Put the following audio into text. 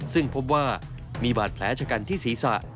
ซึ่งพบว่ามีบาดแผลชะกันที่ศีรษะ